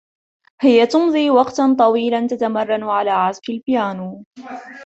هي تمضي وقتا طويلا تتمرّن على عزف البيانو.